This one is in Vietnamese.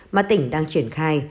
mà tỉnh đang triển khai